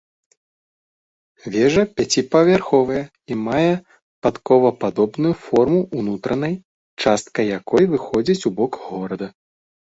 Вежа пяціпавярховая, і мае падковападобную форму ўнутранай частка якой выходзіць у бок горада.